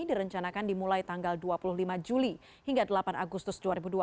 direncanakan dimulai tanggal dua puluh lima juli hingga delapan agustus dua ribu dua puluh